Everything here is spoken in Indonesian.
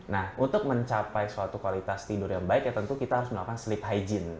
nah untuk mencapai suatu kualitas tidur yang baik ya tentu kita harus melakukan sleep hygiene